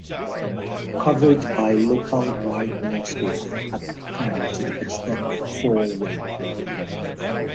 Coverage by local white newspapers at the time suggested the four were guilty.